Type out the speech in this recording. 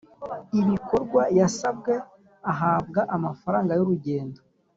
bikorwa yasabwe ahabwa amafaranga y’urugendo,